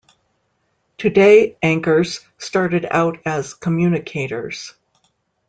"Today" anchors started out as "Communicators".